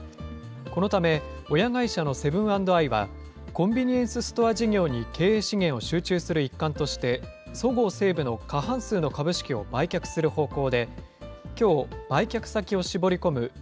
このため親会社のセブン＆アイは、コンビニエンスストア事業に経営資源を集中する一環として、そごう・西武の過半数の株式を売却する方向で、きょう、売却先を絞り込む